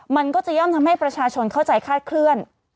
มันก็จะย่อมทำให้ประชาชนเข้าใจคาดเคลื่อน